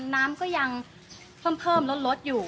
น้ำก็ยังเพิ่มลดอยู่